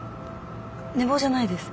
寝坊じゃないです。